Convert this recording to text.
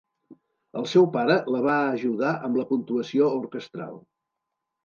El seu pare la va ajudar amb la puntuació orquestral.